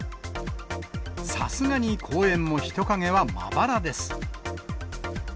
さすがに公園も人影はまばらです。